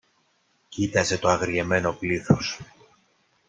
κοίταζε το αγριεμένο πλήθος.